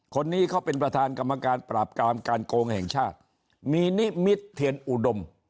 คนนี้เขาเป็นประธานกรรมการปราบกรามการโกงแห่งชาติมีนิมิตรเทียนอุดม